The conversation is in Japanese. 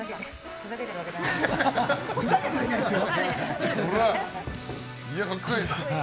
ふざけてはいないですよ。